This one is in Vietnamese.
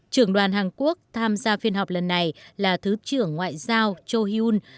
trưởng đoàn hàn quốc tham gia phiên họp lần này là thứ trưởng ngoại giao cho hyun